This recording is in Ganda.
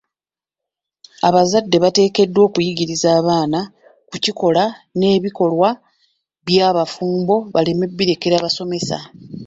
Abazadde bateekeddwa okuyigiriza abaana ku kikula n'ebikolwa by'obufumbo baleme birekera basomesa.